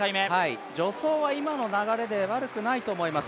助走は今の流れで悪くないと思います。